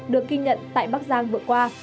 được ghi nhận tại bác giang vừa qua